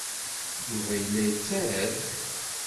Yuba yella yettarra-d.